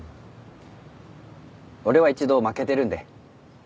俺は一度負けてるんで。